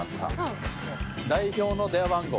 代表の電話番号？